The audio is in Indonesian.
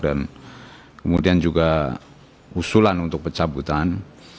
dan kemudian juga usulan untuk pecah butaan